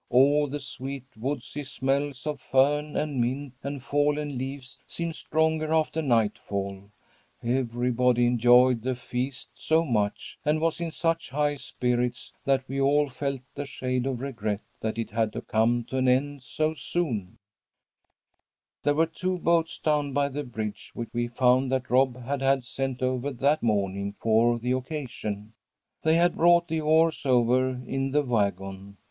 All the sweet woodsy smells of fern and mint and fallen leaves seem stronger after nightfall. Everybody enjoyed the feast so much, and was in such high spirits that we all felt a shade of regret that it had to come to an end so soon. [Illustration: "'THEY STEPPED IN AND ROWED OFF DOWN THE SHINING WATERWAY'"] "There were two boats down by the bridge which we found that Rob had had sent over that morning for the occasion. They had brought the oars over in the wagon.